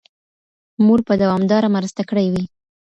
مور به دوامداره مرسته کړې وي.